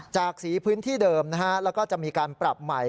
สีพื้นที่เดิมนะฮะแล้วก็จะมีการปรับใหม่